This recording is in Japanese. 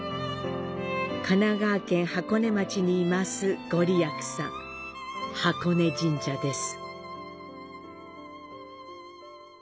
神奈川県箱根町に坐すごりやくさん、箱根神社です。